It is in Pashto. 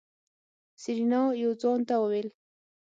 سېرېنا يو ځوان ته وويل.